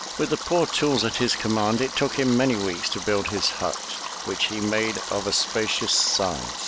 With the poor tools at his command, it took him many weeks to build his hut which he made of a spacious size.